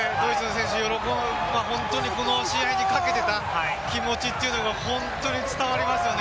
目の前でドイツの選手、喜びはこの試合に本当にかけていた気持ちというのが本当に伝わりますね。